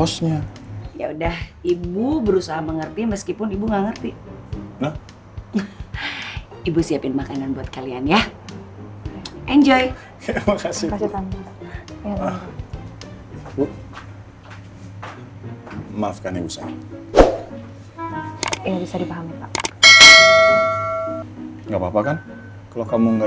tapi kesannya ibu itu masih tidak berani berani terus